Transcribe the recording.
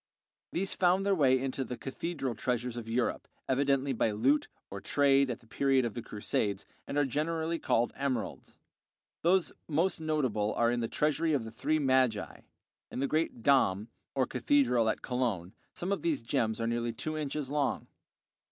These found their way into the cathedral treasures of Europe, evidently by loot or trade at the period of the Crusades, and are generally called emeralds. Those most notable are in the Treasury of the Three Magi, in the great "Dom," or Cathedral at Cologne. Some of these gems are nearly two inches long.